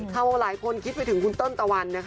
เขาหลายคนคิดไปถึงคุณเติ้ลตะวันนะคะ